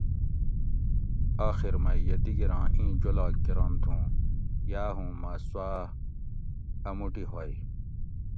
آخر مئی یہ دِگیراں اِیں جولاگ کۤرنت اوں یا ہوں مہ سوآۤ اۤ مُوٹی ہوئی